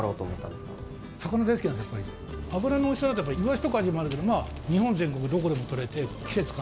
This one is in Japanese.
脂のおいしさなんてイワシとかにもあるけど日本全国どこでもとれて季節関係ない。